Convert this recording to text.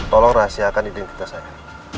tolong rahasiakan identitas saya